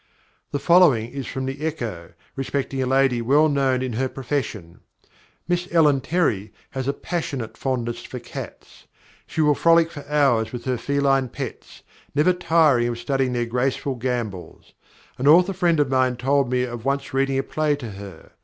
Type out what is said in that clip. The following is from the Echo, respecting a lady well known in her profession: "Miss Ellen Terry has a passionate fondness for cats. She will frolic for hours with her feline pets, never tiring of studying their graceful gambols. An author friend of mine told me of once reading a play to her.